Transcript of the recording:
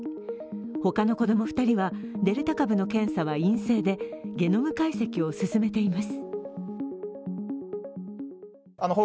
ほかの子供２人はデルタ株の検査は陰性でゲノム解析を進めています。